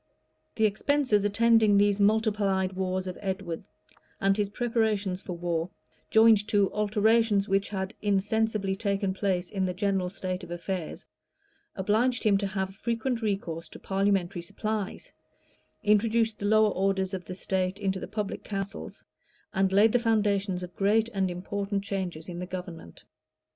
The expenses attending these multiplied wars of Edward, and his preparations for war, joined to alterations which had insensibly taken place in the general state of affairs, obliged him to have frequent recourse to parliamentary supplies, introduced the lower orders of the state into the public councils, and laid the foundations of great and important changes in the government.